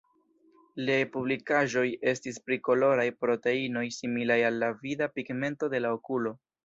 Liaj publikaĵoj estis pri koloraj proteinoj similaj al la vida pigmento de la okulo.